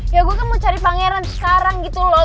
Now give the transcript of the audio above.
ya gue kan mau cari pangeran sekarang gitu loh